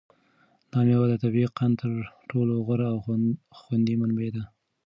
دا مېوه د طبیعي قند تر ټولو غوره او خوندي منبع ده.